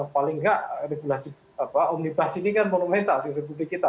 paling nggak regulasi omnibus ini kan monumental di republik kita